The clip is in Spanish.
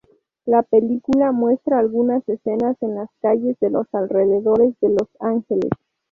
La película muestra algunas escenas en las calles de los alrededores de Los Ángeles.